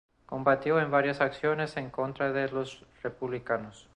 Combatió en varias acciones en contra de los republicanos.